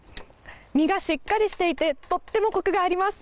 身がしっかりしていてとても、こくがあります。